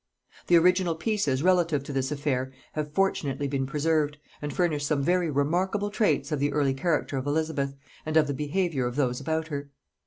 The original pieces relative to this affair have fortunately been preserved, and furnish some very remarkable traits of the early character of Elizabeth, and of the behaviour of those about her.